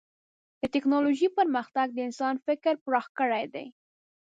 د ټکنالوجۍ پرمختګ د انسان فکر پراخ کړی دی.